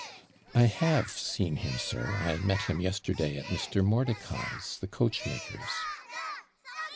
'I have seen him, sir I met him yesterday at Mr. Mordicai's, the coachmaker's.'